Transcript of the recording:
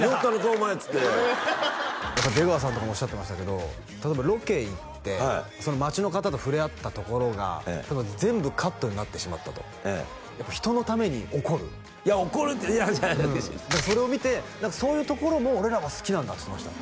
お前っつってやっぱ出川さんとかもおっしゃってましたけど例えばロケ行って街の方と触れ合ったところが全部カットになってしまったとええやっぱ人のために怒るいや怒るってそれを見てそういうところも俺らは好きなんだって言ってました